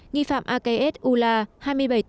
nghi phạm akayet ullah